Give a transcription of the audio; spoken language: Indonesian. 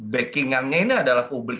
backing annya ini adalah publik